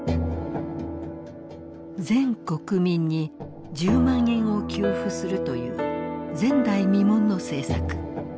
全国民に１０万円を給付するという前代未聞の政策。